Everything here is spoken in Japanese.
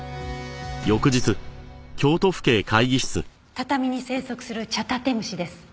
畳に生息するチャタテムシです。